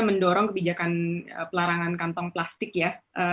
mendorong kebijakan pelarangan kantong plastik ya